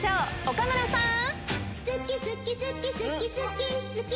岡村さん！